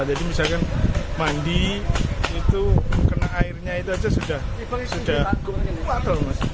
jadi misalkan mandi itu kena airnya itu saja sudah gatal